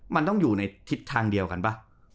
มันต้องอยู่ในทิศทางเดียวกันป่ะ